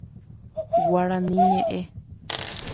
Guarani ñe'ẽ.